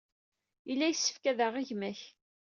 Yella yessefk ad aɣeɣ gma-k.